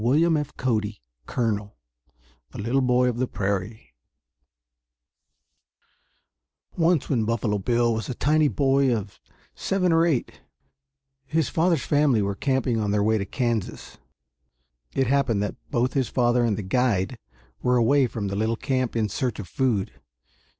THE LIFE OF BUFFALO BILL I THE LITTLE BOY OF THE PRAIRIE Once when Buffalo Bill was a tiny boy of seven or eight his father's family were camping on their way to Kansas. It happened that both his father and the guide were away from the little camp in search of food.